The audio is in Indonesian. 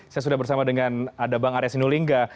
saya sudah bersama dengan ada bang arya sinulinga